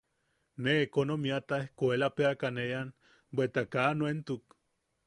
Ne ekonomiata ejkuelabaeka ne ean, bweta kaa nuentuk.